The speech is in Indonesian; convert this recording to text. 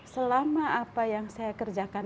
selama apa yang saya kerjakan